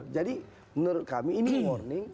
jadi menurut kami ini warning